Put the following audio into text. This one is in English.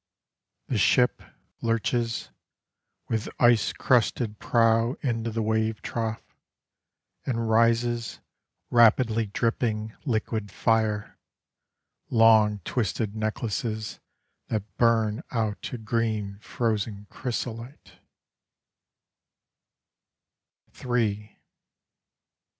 The ship Lurches With ice crusted prow into the wave trough; And rises, rapidly dripping liquid lire, Long twisted necklaces, that burn out to green frozen chrysolite.